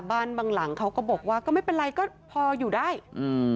บางหลังเขาก็บอกว่าก็ไม่เป็นไรก็พออยู่ได้อืม